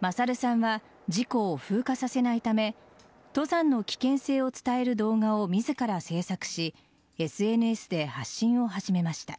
勝さんは事故を風化させないため登山の危険性を伝える動画を自ら制作し、ＳＮＳで発信を始めました。